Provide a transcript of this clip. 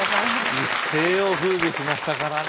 一世をふうびしましたからね。